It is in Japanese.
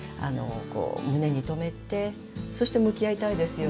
胸に留めてそして向き合いたいですよね。